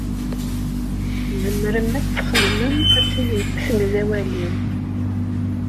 Tzemrem ad tesxedmem asegzawal-iw.